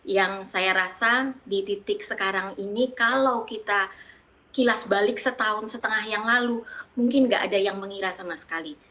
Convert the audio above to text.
yang saya rasa di titik sekarang ini kalau kita kilas balik setahun setengah yang lalu mungkin nggak ada yang mengira sama sekali